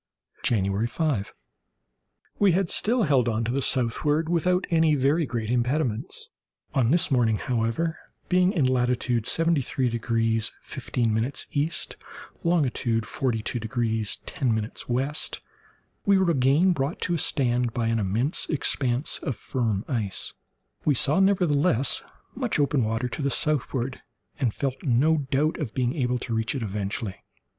January 5.—We had still held on to the southward without any very great impediments. On this morning, however, being in latitude 73 degrees 15' E., longitude 42 degrees 10' W, we were again brought to a stand by an immense expanse of firm ice. We saw, nevertheless, much open water to the southward, and felt no doubt of being able to reach it eventually.